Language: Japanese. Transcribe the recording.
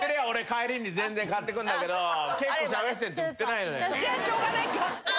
俺帰りに全然買ってくんだけど。